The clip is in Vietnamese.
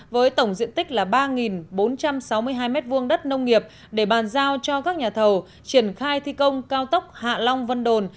với tổng diện tích là ba bốn trăm sáu mươi hai m hai đất nông nghiệp để bàn giao cho các nhà thầu triển khai thi công cao tốc hạ long vân đồn